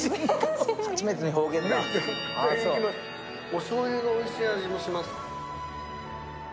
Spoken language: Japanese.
おしょうゆのおいしい味もします。